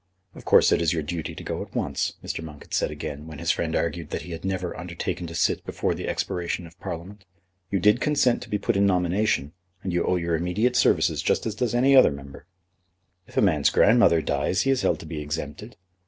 "Of course it is your duty to go at once," Mr. Monk had said again, when his friend argued that he had never undertaken to sit before the expiration of Parliament. "You did consent to be put in nomination, and you owe your immediate services just as does any other member." "If a man's grandmother dies he is held to be exempted."